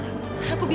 aku bilang pergi